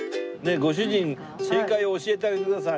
ご主人正解を教えてあげてください。